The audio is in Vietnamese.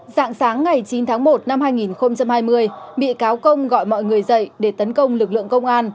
dạng sáng ngày chín tháng một năm hai nghìn hai mươi bị cáo công gọi mọi người dậy để tấn công lực lượng công an